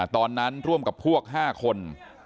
ตอนนั้นร่วมกับพวก๕คน